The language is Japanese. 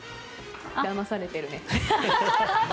だまされてるね。